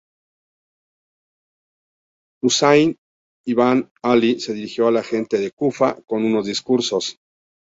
Husáyn ibn Alí se dirigió a la gente de Kufa, con unos discursos.